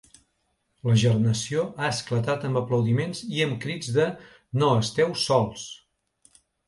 La gernació ha esclatat amb aplaudiments i amb crits de ‘no esteu sols’.